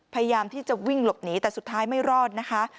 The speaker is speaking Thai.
พยายามที่จะวิ่งหลบหนีแต่สุดท้ายไม่รอดนะคะ